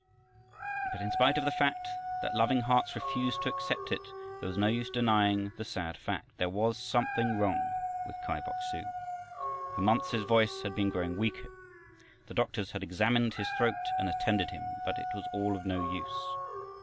But in spite of the fact that loving hearts refused to accept it, there was no use denying the sad fact. There was something wrong with Kai Bok su. For months his voice had been growing weaker, the doctors had examined his throat, and attended him, but it was all of no use.